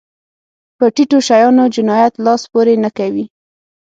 په ټيټو شیانو جنایت لاس پورې نه کوي.